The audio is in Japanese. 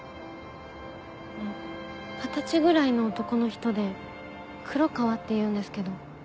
二十歳ぐらいの男の人で黒川っていうんですけど。